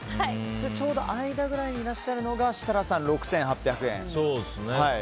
ちょうど間くらいにいらっしゃるのが設楽さん、６８００円。